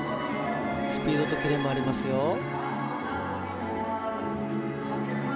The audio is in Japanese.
スピードとキレもありますよ